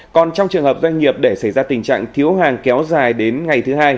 còn trong trường hợp doanh nghiệp để xảy ra tình trạng thiếu hàng kéo dài đến ngày thứ hai